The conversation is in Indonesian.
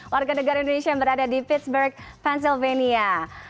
warga negara indonesia yang berada di pittsburgh pennsylvania